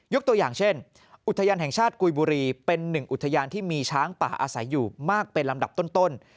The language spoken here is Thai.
ตัวอย่างเช่นอุทยานแห่งชาติกุยบุรีเป็นหนึ่งอุทยานที่มีช้างป่าอาศัยอยู่มากเป็นลำดับต้น